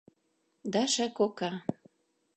Даша кока